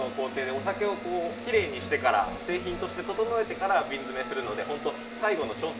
お酒をこうきれいにしてから製品として整えてから瓶詰めするのでホント最後の調整。